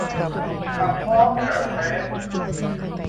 กระท้อมกระแท้ม